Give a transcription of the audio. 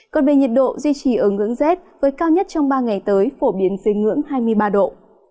còn về nhiệt độ duy trì ở ngưỡng rét với cao nhất trong ba ngày tới phổ biến dưới ngưỡng hai mươi ba độ